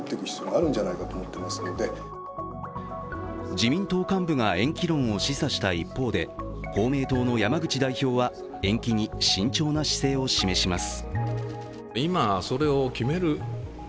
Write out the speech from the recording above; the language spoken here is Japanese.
自民党幹部が延期論を示唆した一方で公明党の山口代表は延期に慎重な姿勢を示します。